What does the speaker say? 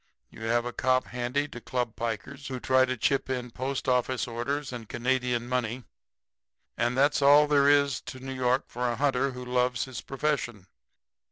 You have a cop handy to club pikers who try to chip in post office orders and Canadian money, and that's all there is to New York for a hunter who loves his profession.